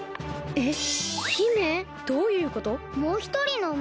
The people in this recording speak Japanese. えっ？